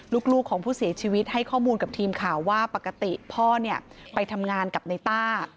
ลูกของผู้เสียชีวิตให้ข้อมูลกับทีมข่าวว่าปกติพ่อเนี่ยไปทำงานกับในต้า